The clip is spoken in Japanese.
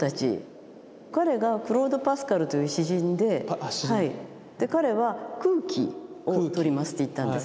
彼がクロード・パスカルという詩人で彼は空気を取りますって言ったんです。